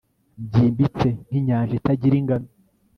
Byimbitse nkinyanja itagira ingano